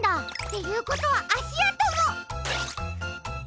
ていうことはあしあとも！